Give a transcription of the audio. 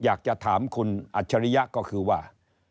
อยากจะถามคุณอัจฉริยะก็คือว่า